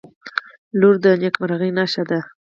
• لور د نیکمرغۍ نښه ده.